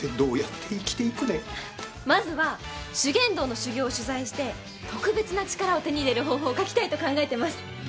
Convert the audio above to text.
まずは修験道の修行を取材して特別な力を手に入れる方法を書きたいと考えてます。